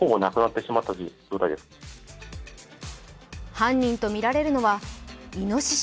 犯人とみられるのはいのしし。